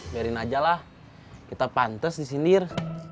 biarin aja lah kita pantes di sindir